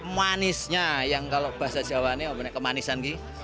manisnya yang kalau bahasa jawa ini kemanisan